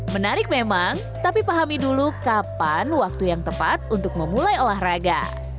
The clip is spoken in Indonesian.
menarik memang tapi pahami dulu kapan waktu yang tepat untuk memulai olahraga